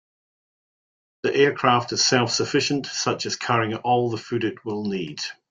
The aircraft is self-sufficient, such as carrying all the food it will need.